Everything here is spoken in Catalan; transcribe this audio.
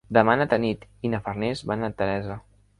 Demà na Tanit i na Farners van a Teresa.